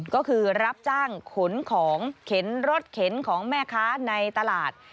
ก็คือรับจ้างขนของเข็นรถเข็นของแม่ค้าในตลาด